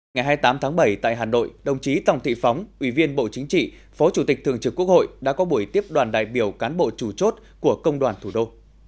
ngày hai mươi tám tháng bảy tại hà nội đồng chí tòng thị phóng ủy viên bộ chính trị phó chủ tịch thường trực quốc hội đã có buổi tiếp đoàn đại biểu cán bộ chủ chốt của công đoàn thủ đô